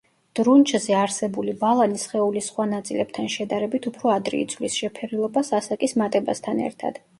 დრუნჩზე არსებული ბალანი სხეულის სხვა ნაწილებთან შედარებით უფრო ადრე იცვლის შეფერილობას ასაკის მატებასთან ერთად.